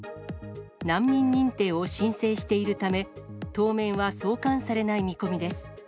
難民認定を申請しているため、当面は送還されない見込みです。